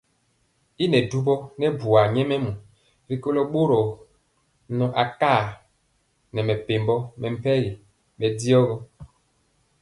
Y nɛ dubɔ nɛ buar nyɛmemɔ rikolo boro nɔ akar nɛ mepempɔ mɛmpegi bɛndiɔ gɔ.